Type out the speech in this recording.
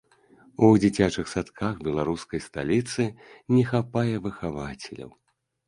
У дзіцячых садках беларускай сталіцы не хапае выхавацеляў.